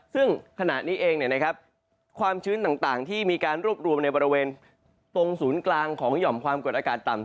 ซึ่งขณะนี้เองความชื้นต่างที่มีการรวบรวมในบริเวณตรงศูนย์กลางของหย่อมความกดอากาศต่ำ